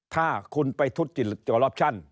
ถ้าคุณไปทุจริตจอลอปชั่น